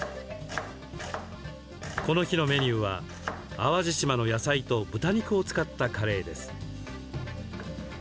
この日のメニューは、淡路島の野菜と豚肉を使ったカレーです。